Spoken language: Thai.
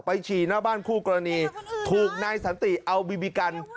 ฉี่หน้าบ้านคู่กรณีถูกนายสันติเอาบีบีกัน